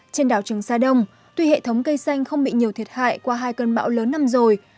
trên đảo trường sa đông tuy hệ thống cây xanh không bị nhiều thiệt hại qua hai cơn bão lớn năm rồi